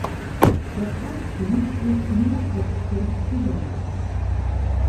Der Zeitpunkt ist mehr als schlecht gewählt.